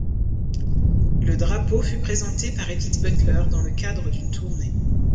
Le drapeau fut présenté par Édith Butler dans le cadre d'une tournée.